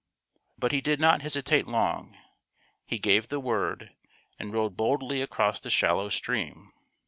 But he did not hesitate long. He gave the word, and rode boldly across the shallow stream.